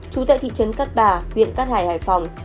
trú tại thị trấn cát bà huyện cát hải hải phòng